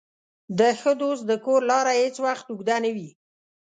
د ښه دوست د کور لاره هېڅ وخت اوږده نه وي.